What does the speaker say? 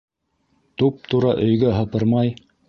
Туп-тура өйгә һыпырмай...